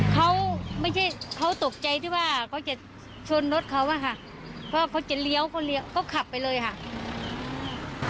เขาไม่ใช่เขาตกใจที่ว่าเขาจะชนรถเขาอะค่ะเพราะเขาจะเลี้ยวเขาเลี้ยวเขาขับไปเลยค่ะ